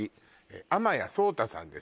天谷窓大さんです